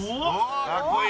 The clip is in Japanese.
かっこいい。